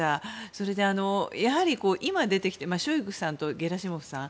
それで、やはり今出てきたショイグさんとゲラシモフさん